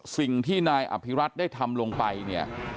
สิ่งที่นายอภิรัตนได้ทำลงไปเนี่ย